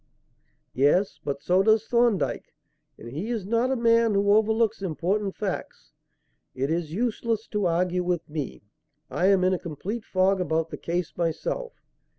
"Yes; but so does Thorndyke. And he is not a man who overlooks important facts. It is useless to argue with me. I am in a complete fog about the case myself.